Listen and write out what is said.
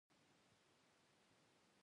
که جګړه هم کوي پر دویمه خاوره یې کوي.